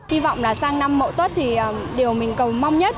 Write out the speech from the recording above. hy vọng là sang năm mậu tuất thì điều mình cầu mong nhất